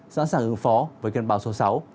sẵn sàng ưu phó với cơn bão số sáu